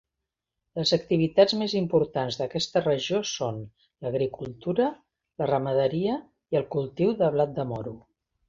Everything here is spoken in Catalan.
Les activitats més importants d'aquesta regió són l'agricultura, la ramaderia i el cultiu de blat de moro.